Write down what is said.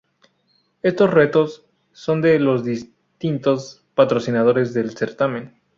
Estos retos son de los distintos patrocinadores del certamen.